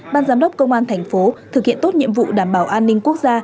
ban giám đốc công an thành phố thực hiện tốt nhiệm vụ đảm bảo an ninh quốc gia